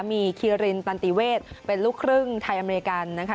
มีคีรินตันติเวศเป็นลูกครึ่งไทยอเมริกันนะคะ